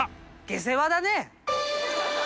下世話だね。